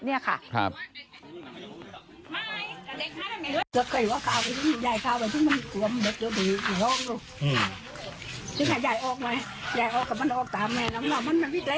มันเกล็นเข้าไป